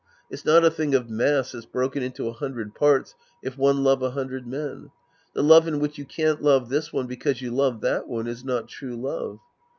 It's not a thing of mass that's broken into a hundred parts if one love a hundred men. The love in which you can't love this one because you love that one is not true love.